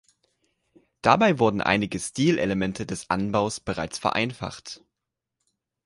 Dabei wurden einige Stilelemente des Anbaus bereits vereinfacht.